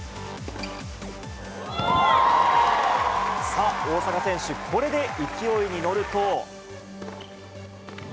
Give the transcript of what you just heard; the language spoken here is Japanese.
さあ、大坂選手、これで勢いに乗ると。